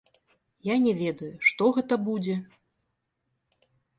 Я не ведаю, што гэта будзе?